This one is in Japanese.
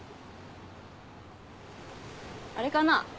あれかな。